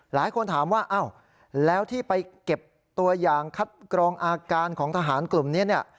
หลายคนถามว่าอ้าวแล้วที่ไปเก็บตัวอย่างคัดกรองอาการของทหารกลุ่มนี้เนี่ย